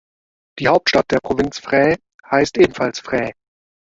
Die Hauptstadt der Provinz Phrae heißt ebenfalls Phrae.